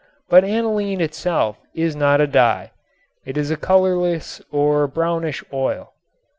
But aniline itself is not a dye. It is a colorless or brownish oil.